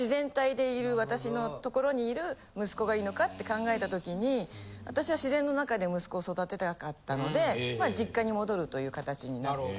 私のところにいる息子がいいのかって考えた時に私は自然の中で息子を育てたかったのでまあ実家に戻るという形になって。